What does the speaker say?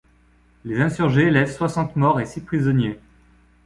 Les insurgés laissent soixante morts et six prisonniers.